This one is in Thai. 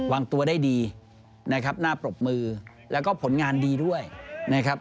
วางตัวได้ดีนะครับน่าปรบมือแล้วก็ผลงานดีด้วยนะครับ